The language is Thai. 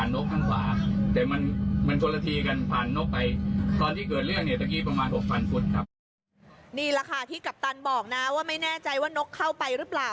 นี่แหละค่ะที่กัปตันบอกนะว่าไม่แน่ใจว่านกเข้าไปหรือเปล่า